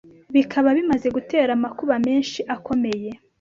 Bikaba bimaze gutera amakuba menshi akomeye